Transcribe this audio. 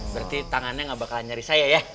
berarti tangannya gak bakalan nyari saya ya